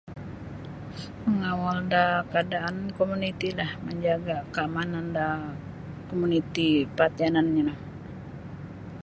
Mangawal da kaadaan komuniti lah menjaga kaamanan da komuniti paat yananyo no.